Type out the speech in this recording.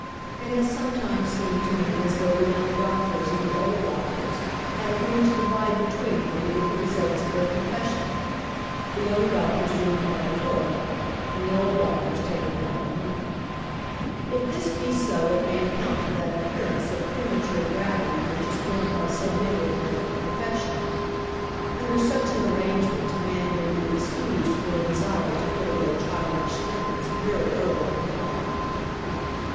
It has sometimes seemed to me as though the young doctors and the old doctors had agreed to divide between them the different results of their profession, the young doctors doing all the work and the old doctors taking all the money. If this be so it may account for that appearance of premature gravity which is borne by so many of the medical profession. Under such an arrangement a man may be excused for a desire to put away childish things very early in life.